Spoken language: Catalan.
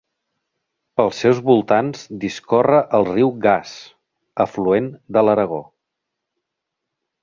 Pels seus voltants discorre el riu Gas, afluent de l'Aragó.